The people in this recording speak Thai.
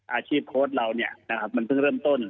อาชีพโค้ดเรามันเพิ่งเริ่มต้น